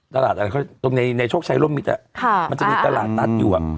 ตรงในช่วงชายร่วมมีแต่มันจะมีตลาดตัดอยู่อะ